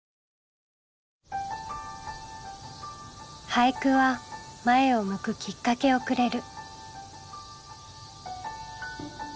俳句は前を向くきっかけをくれる。